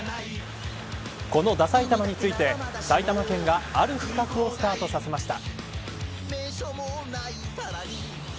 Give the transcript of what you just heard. この、ダさいたまについて埼玉県がある企画をスタートさせました。